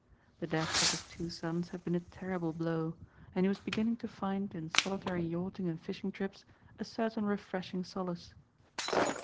The death of his two sons had been a terrible blow and he was beginning to find in solitary yachting and fishing trips a certain refreshing solace.